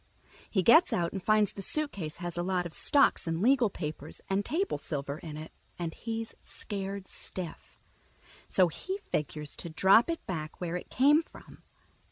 He gets out and finds the suitcase has a lot of stocks and legal papers and table silver in it, and he's scared stiff. So he figures to drop it back where it came from.